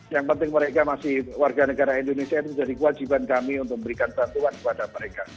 yang penting mereka masih warga negara indonesia itu menjadi kewajiban kami untuk memberikan bantuan kepada mereka